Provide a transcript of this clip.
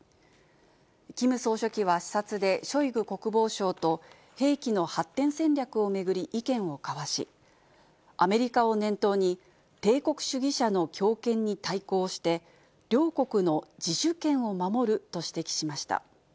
キム総書記は視察でショイグ国防相と兵器の発展戦略を巡り意見を交わし、アメリカを念頭に、帝国主義者の強権に対抗して、両国の自主権を守ると指摘しました。